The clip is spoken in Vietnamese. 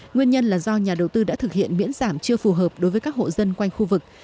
nguyên nhân là do nhà đầu tư đã thực hiện miễn giảm chưa phù hợp đối với các hộ dân quanh khu vực